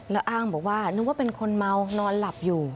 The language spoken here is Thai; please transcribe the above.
แล้วอ้างบอกว่านึกว่าเป็นคนเมานอนหลับอยู่